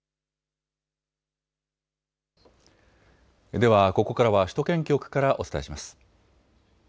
ではここからは首都圏局からお伝えします。